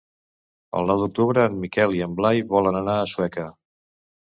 El nou d'octubre en Miquel i en Blai volen anar a Sueca.